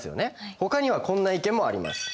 ほかにはこんな意見もあります。